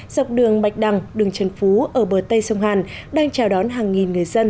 dọc đường bạch đằng đường trần phú ở bờ tây sông hàn đang chào đón hàng nghìn người dân